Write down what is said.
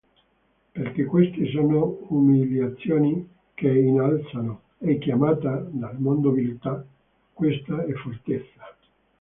Perchè queste sono umiliazioni che innalzano; e chiamata dal mondo viltà, questa è fortezza.